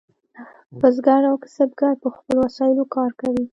بزګر او کسبګر په خپلو وسایلو کار کوي.